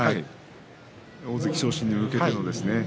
大関昇進に向けてのですね。